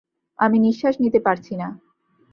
আমি নিশ্বাস নিতে পারছিনা।